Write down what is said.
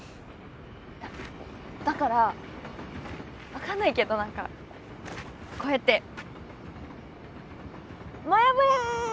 だだから分かんないけど何かこうやってもやもや！